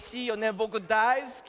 ぼくだいすき。